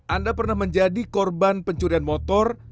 anda pernah menjadi korban pencurian motor